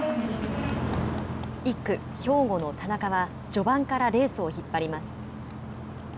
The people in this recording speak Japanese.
１区、兵庫の田中は序盤からレースを引っ張ります。